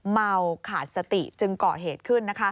เมาขาดสติจึงก่อเหตุขึ้น